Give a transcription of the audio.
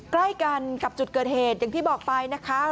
ใกล้กันกับจุดเกิดเหตุอย่างที่บอกไปนะคะ